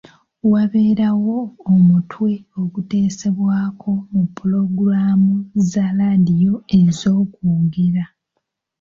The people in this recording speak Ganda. Wabeerawo omutwe oguteesebwako mu pulogulaamu za laadiyo ez'okwogera.